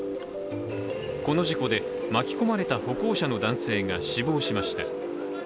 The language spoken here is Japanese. この事故で、巻き込まれた歩行者の男性が死亡しました。